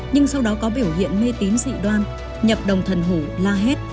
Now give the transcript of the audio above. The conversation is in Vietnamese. nhưng sau đó có biểu hiện mê tín dị đoan nhập đồng thần hủ la hét